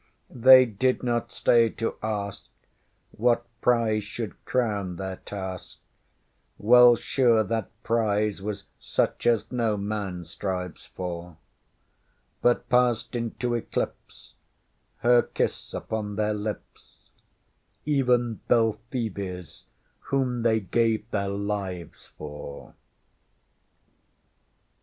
They did not stay to ask What prize should crown their task, Well sure that prize was such as no man strives for; But passed into eclipse, Her kiss upon their lips Even BelphoebeŌĆÖs, whom they gave their lives for!